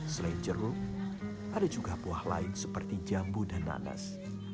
selain jeruk ada juga buah lain seperti jambu dan nanas